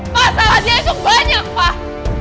masalah dia itu banyak pak